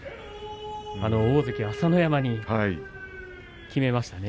大関朝乃山にきめましたね。